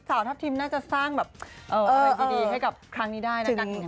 สาวทัพทิมน่าจะสร้างแบบอะไรดีให้กับครั้งนี้ได้นะจ๊ะ